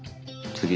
次。